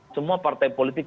semua partai politik